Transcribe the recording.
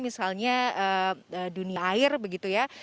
misalnya dunia air begitu ya